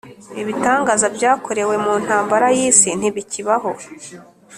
ibitangaza byakorewe muntambara yisi ntibikibaho